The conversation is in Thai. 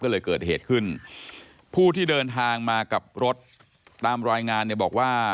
ก็เลยเกิดเหตุขึ้นผู้ที่เดินทางมากับรถตามรายงานเนี่ยบอกว่า